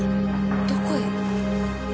どこへ？